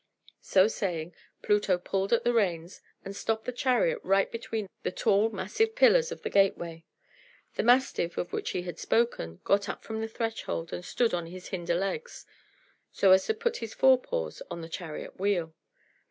So saying, Pluto pulled at the reins, and stopped the chariot right between the tall, massive pillars of the gateway. The mastiff of which he had spoken got up from the threshold and stood on his hinder legs, so as to put his fore paws on the chariot wheel.